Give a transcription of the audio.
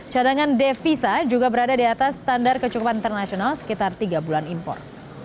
cadangan devisa juga berada di atas standar kecukupan internasional sekitar tiga bulan impor